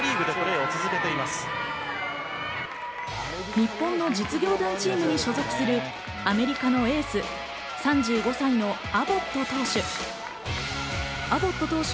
日本の実業団チームに所属するアメリカのエース、３５歳のアボット投手。